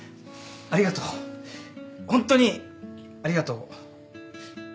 ホントにありがとう。